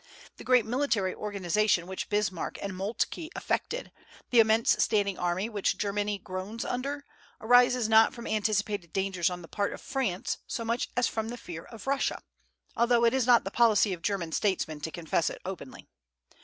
The great military organization which Bismarck and Moltke effected, the immense standing army which Germany groans under, arises not from anticipated dangers on the part of France so much as from fear of Russia, although it is not the policy of German statesmen to confess it openly.